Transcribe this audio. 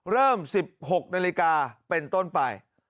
เริ่ม๑๖นาฬิกาเป็นต้นไป